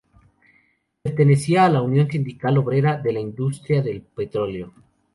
Pertenecía a la Unión Sindical Obrera de la Industria del Petróleo.